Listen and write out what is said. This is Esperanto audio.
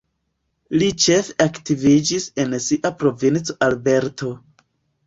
Li ĉefe aktiviĝis en sia provinco Alberto.